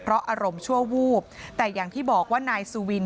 เพราะอารมณ์ชั่ววูบแต่อย่างที่บอกว่านายสุวิน